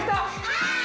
はい！